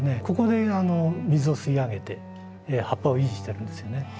ここで水を吸い上げて葉っぱを維持してるんですよね。